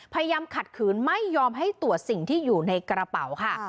ขัดขืนไม่ยอมให้ตรวจสิ่งที่อยู่ในกระเป๋าค่ะ